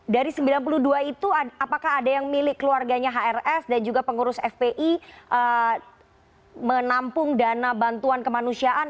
dari sembilan puluh dua itu apakah ada yang milik keluarganya hrs dan juga pengurus fpi menampung dana bantuan kemanusiaan